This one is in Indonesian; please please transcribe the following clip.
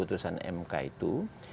di putusan mk itu